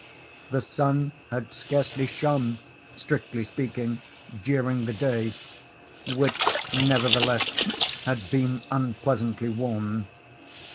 The sun had scarcely shone—strictly speaking—during the day, which nevertheless, had been unpleasantly warm.